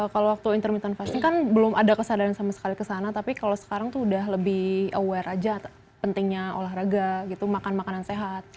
kalau waktu intermittent fasting kan belum ada kesadaran sama sekali kesana tapi kalau sekarang tuh udah lebih aware aja pentingnya olahraga gitu makan makanan sehat